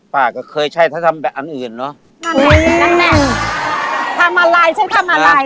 ป้าก็เคยใช่ถ้าทำแบบอันอื่นเนอะนั่นไงนั่นแน่นทำอะไรฉันทำอะไร